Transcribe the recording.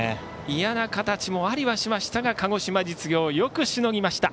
いやな形もありはしましたが鹿児島実業よくしのぎました。